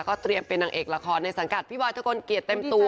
เตรียมเป็นนางเอกละครในสังกัดพี่บอยทะกลเกียจเต็มตัว